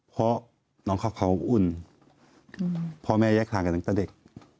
เพราะน้องเขาอุ่นพ่อแม่แยกทางกันตั้งแต่เด็ก